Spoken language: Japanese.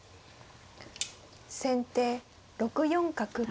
先手６四角。